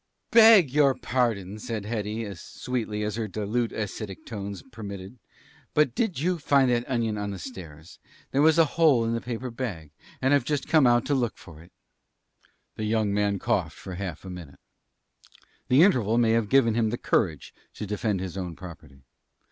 "Beg your pardon," said Hetty, as sweetly as her dilute acetic acid tones permitted, "but did you find that onion on the stairs? There was a hole in the paper bag; and I've just come out to look for it." The young man coughed for half a minute. The interval may have given him the courage to defend his own property.